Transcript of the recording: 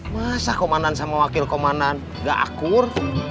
masa komandan sama wakil komandan gak akur